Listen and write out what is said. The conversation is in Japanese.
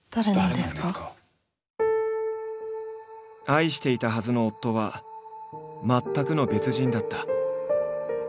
愛していたはずの夫は全くの別人だった。